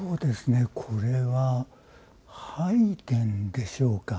これは拝殿でしょうか。